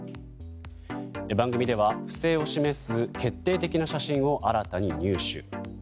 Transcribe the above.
番組では、不正を示す決定的な写真を新たに入手。